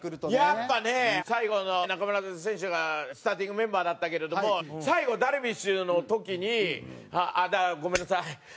やっぱね最後中村選手がスターティングメンバーだったけれども最後ダルビッシュの時にあっごめんなさい。